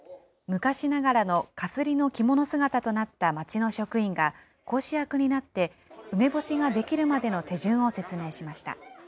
昔ながらのかすりの着物姿となった町の職員が講師役になって、梅干しが出来るまでの手順を説明しました。